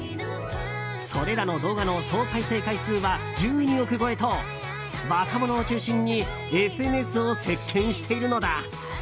それらの動画の総再生回数は１２億超えと若者を中心にＳＮＳを席巻しているのだ。